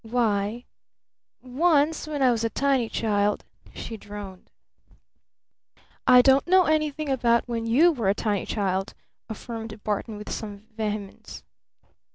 "Why once when I was a tiny child " she droned. "I don't know anything about when you were a tiny child," affirmed Barton with some vehemence.